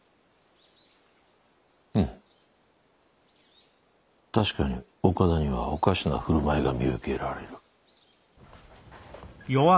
うん確かに岡田にはおかしな振る舞いが見受けられる。